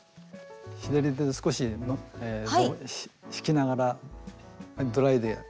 左手で少し引きながらドライでやる。